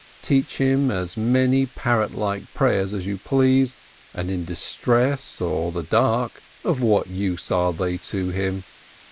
Teach him as many parrot like prayers as you please, and in distress or the dark of what use are they to him?